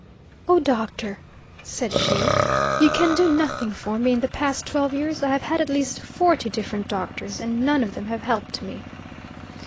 "O, Doctor," said she, "you can do nothing for me; in the past twelve years I have had at least forty different doctors, and none of them have helped me."